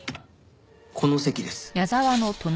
この席です。